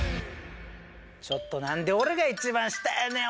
ちょっと何で俺が一番下やねん！